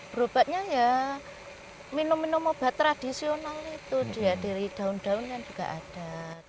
berobatnya ya minum minum obat tradisional itu dari daun daun kan juga ada